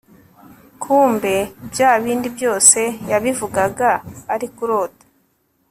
kumbe byabindi byose yabivugaga ari kurota